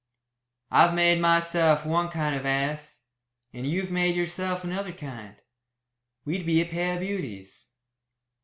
"I've made myself one kind of ass, and you've made yourself another kind. We'd be a pair of beauties."